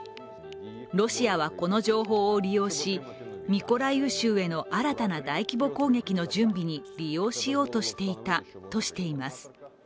ロシアは、この情報を利用し、ミコライウ州への新たな大規模攻撃の準備に利用しようとしていたとしています。